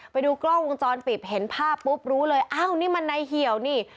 ไปดูกล้องวงจรปิดเห็นภาพปุ๊บรู้เลยอ้าวนี่มันในเหี่ยวนี่